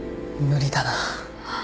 無理だな。